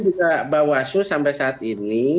juga bawaslu sampai saat ini